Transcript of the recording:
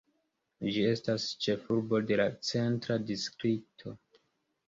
Ĝi estas ĉefurbo de la Centra distrikto.